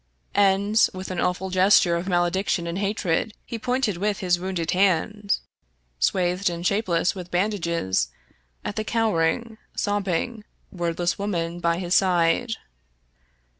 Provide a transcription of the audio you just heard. And, with an awful gesture of male diction and hatred, he pointed with his wounded hand, swathed and shapeless with bandages, at the cowering, sob bing, wordless woman by his side.